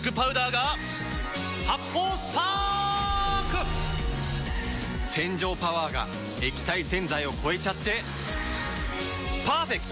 発泡スパーク‼洗浄パワーが液体洗剤を超えちゃってパーフェクト！